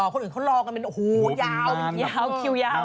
คนคนอื่นรอกันอ๋อหูยาวคิวยาว